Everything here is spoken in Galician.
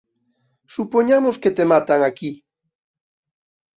Supoñamos que te matan aquí...